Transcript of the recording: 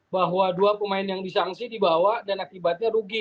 bahwa dua pemain yang disangsi dibawa dan akibatnya rugi